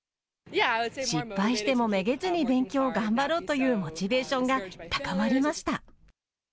失敗してもめげずに勉強を頑張ろうというモチベーションが高まりました。